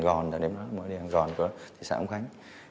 ở địa hàng gòn